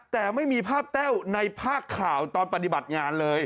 แต่ไม่มีภาพแต้วในภาคข่าวตอนปฏิบัติงานเลย